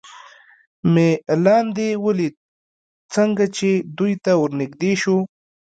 مې لاندې ولید، څنګه چې دوی ته ور نږدې شو.